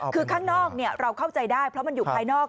คือข้างนอกเราเข้าใจได้เพราะมันอยู่ภายนอก